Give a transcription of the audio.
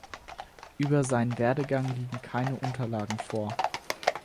Über seinen Werdegang liegen keine Unterlagen vor.